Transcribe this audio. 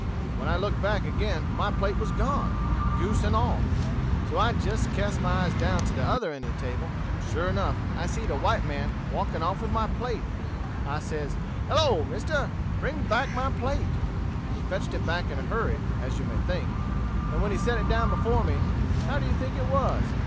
"But when I looked back again my plate was gone, goose and all. So I jist cast my eyes down to t'other end of the table, and sure enough I seed a white man walking off with my plate. I says, 'Hello, mister, bring back my plate.' He fetched it back in a hurry, as you may think. And when he set it down before me, how do you think it was?